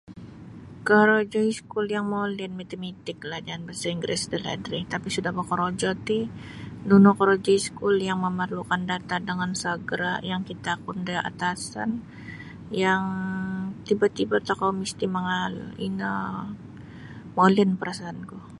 Korojo iskul yang molin Matematik lah jaan bahasa Inggeris dalaid ri tapi suda bokorojo ti nunu korojo iskul yang memerlukan data dengan segera yang kitakun da atasan yang tiba-tiba tokou misti mangaal ino molin parasaan ku.